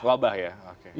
wabah ya oke